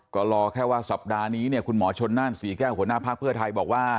ก็รอแค่ว่าสัปดาห์นี้เนี่ยคุณหมอชนนั่นศรีแก้วหัวหน้าภักดิ์เพื่อไทยบอกว่า